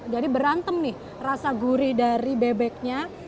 jadi berantem nih rasa gurih dari bebeknya